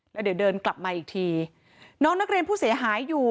แล้วเดี๋ยวเดินกลับมาอีกทีน้องนักเรียนผู้เสียหายอยู่